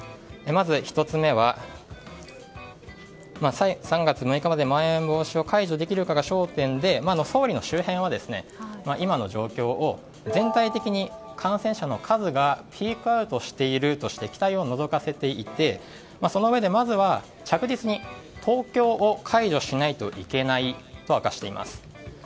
まず１つ目は、３月６日までにまん延防止を解除できるかが焦点で、総理の周辺は今の状況を全体的に感染者の数がピークアウトしているとして期待をのぞかせていてそのうえで、まずは着実に東京を解除しないといけないと明かしています。